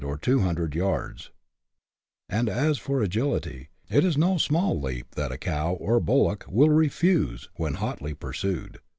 61 or two hundred yards ; and as for agility, it is no small leap that a cow or bullock will " refuse " when hotly pursued.